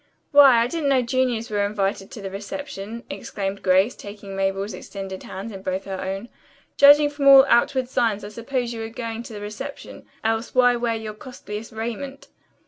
"Why, I didn't know juniors were invited to the reception," exclaimed Grace, taking Mabel's extended hand in both her own. "Judging from all outward signs I suppose you are going to the reception, else why wear your costliest raiment?"